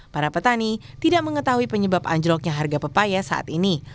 para petani tidak mengetahui penyebab anjloknya harga pepaya saat ini